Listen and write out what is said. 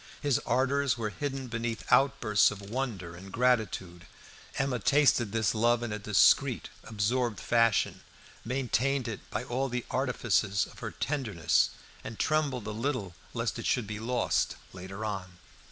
His ardours were hidden beneath outbursts of wonder and gratitude. Emma tasted this love in a discreet, absorbed fashion, maintained it by all the artifices of her tenderness, and trembled a little lest it should be lost later on.